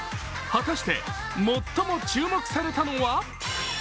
果たしてもっとも注目されたのは？